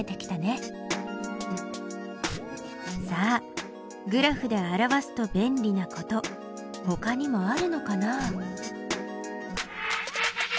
さあグラフで表すと便利なことほかにもあるのかな？